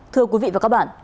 thưa quý vị và các bạn